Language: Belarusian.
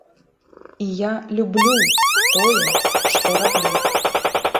І я люблю тое, што раблю.